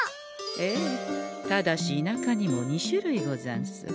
ええただし田舎にも２種類ござんす。